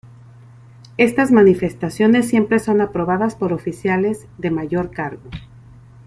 Estas manifestaciones siempre son aprobadas por oficiales de mayor cargo".